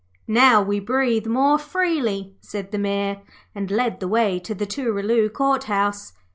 'Now we breathe more freely,' said the Mayor, and led the way to the Tooraloo Court House.